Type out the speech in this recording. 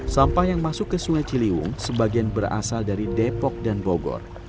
sampah yang masuk ke sungai ciliwung sebagian berasal dari depok dan bogor